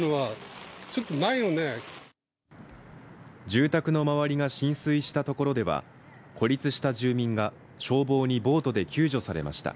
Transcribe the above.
住宅の周りが浸水したところでは孤立した住民が消防にボートで救助されました。